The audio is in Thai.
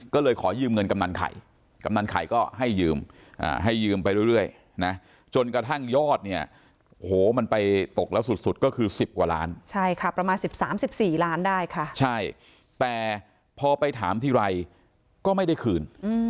ก็เลยขอยืมเงินกำนันไข่กำนันไข่ก็ให้ยืมให้ยืมไปเรื่อยนะจนกระทั่งยอดเนี่ยโหมันไปตกแล้วสุดก็คือ๑๐กว่าล้านใช่ค่ะประมาณ๑๓๑๔ล้านได้ค่ะใช่แต่พอไปถามทีไรก็ไม่ได้คืน